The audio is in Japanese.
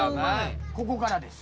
ここからです。